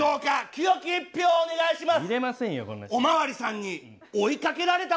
清き一票をお願いします！